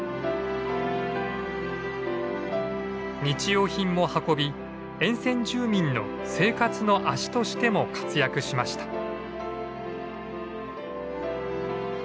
日用品も運び沿線住民の生活の足としても活躍しました。